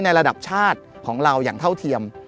ระดับชาติของเราอย่างเท่าเทียม